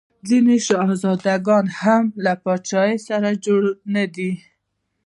ځیني شهزاده ګان هم له پاچا سره جوړ نه دي.